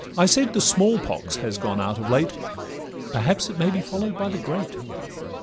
I said the small pox has gone out of late; Perhaps it may be follow'd by the great.